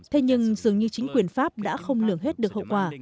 thế nhưng dường như chính quyền pháp đã không lường hết được hậu quả